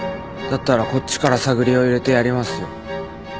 だったらこっちから探りを入れてやりますよ。